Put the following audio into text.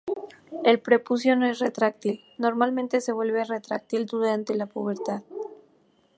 El prepucio no retráctil normalmente se vuelve retráctil durante la pubertad.